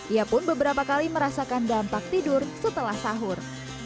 ia pun beberapa kali merasakan dampak tidur setelah sahur